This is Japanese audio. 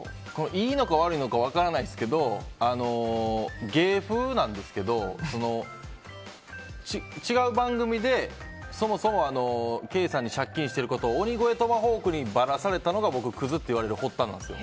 いいのか悪いのか分からないですけど芸風なんですけど違う番組でそもそもケイさんに借金してることを鬼越トマホークにばらされたのが僕、クズって言われる発端なんですよ。